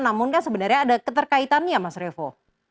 namun kan sebenarnya ada keterkaitannya mas revo